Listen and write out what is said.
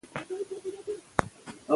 ازادي راډیو د د کار بازار وضعیت انځور کړی.